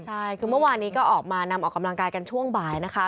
ใช่คือเมื่อวานนี้ก็ออกมานำออกกำลังกายกันช่วงบ่ายนะคะ